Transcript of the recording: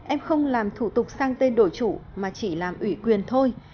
em không làm thủ tục sang tên đổi chủ mà chỉ làm ủy quyền thôi